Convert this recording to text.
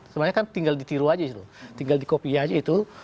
sebenarnya kan tinggal ditiru saja tinggal dikopi saja itu